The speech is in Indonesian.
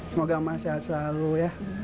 semoga mas sehat selalu ya